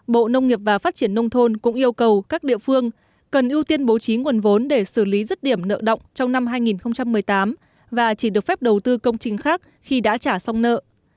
bộ nông nghiệp và phát triển nông thôn cũng yêu cầu các địa phương cần ưu tiên bố trí nguồn vốn để xử lý rứt điểm nợ động trong năm hai nghìn một mươi tám và chỉ được phép đầu tư công trình khác khi đã trả xong nợ